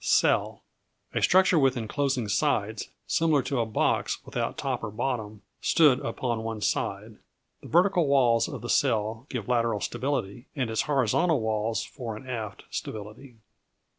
Cell A structure with enclosing sides similar to a box without top or bottom stood upon one side. The vertical walls of the cell give lateral stability, and its horizontal walls fore and aft stability.